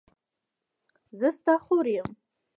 زه ستا خور یم.